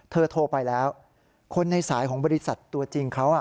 โทรไปแล้วคนในสายของบริษัทตัวจริงเขา